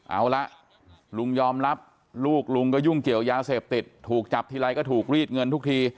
เอาละลุงยอมรับลูกลุงก็ยุ่งเกี่ยวยาเสพติดถูกจับทีไรก็ถูกรีดเงินทุกที